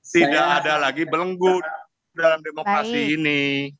tidak ada lagi belenggu dalam demokrasi ini